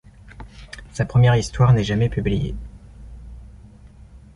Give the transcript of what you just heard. Sa première histoire n'est jamais publiée.